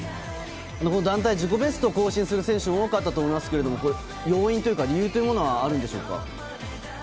この団体、自己ベストを更新する選手も多かったと思いますけれども、これ、要因というか、理由というものはあるんでしょうか。